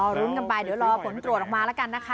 รุ้นกันไปเดี๋ยวรอผลตรวจออกมาแล้วกันนะคะ